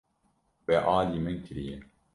We alî min kiriye.